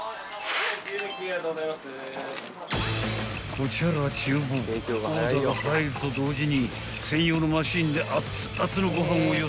［こちゃら厨房オーダーが入ると同時に専用のマシンであつあつのご飯をよそったら］